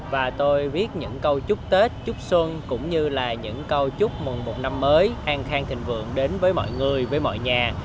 và tôi viết những câu chúc tết chúc xuân cũng như là những câu chúc mừng một năm mới an khang thịnh vượng đến với mọi người với mọi nhà